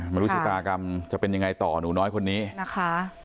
ไม่รู้ชะตากรรมจะเป็นยังไงต่อหนูน้อยคนนี้นะคะ